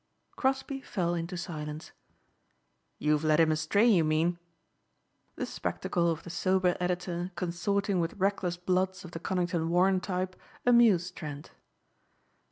Crosbeigh fell into silence. "You've led him astray you mean?" The spectacle of the sober editor consorting with reckless bloods of the Conington Warren type amused Trent.